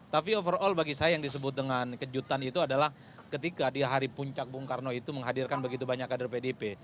tapi overall bagi saya yang disebut dengan kejutan itu adalah ketika di hari puncak bung karno itu menghadirkan begitu banyak kader pdip